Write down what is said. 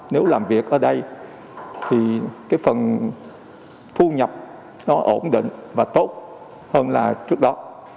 nếu làm việc ở đây thì cái phần thu nhập nó ổn định và tốt hơn là trước đó